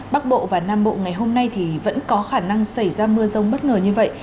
bắc bộ và nam bộ ngày hôm nay thì vẫn có khả năng xảy ra mưa rông bất ngờ như vậy